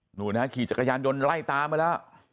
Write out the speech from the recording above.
หนูนะขี่จักรยานยนต์ไล่ตามมาแล้ว